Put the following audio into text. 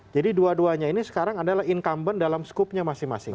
jadi dua duanya ini sekarang adalah incumbent dalam skupnya masing masing